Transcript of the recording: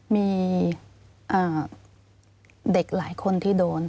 มีเด็กหลายคนที่โดน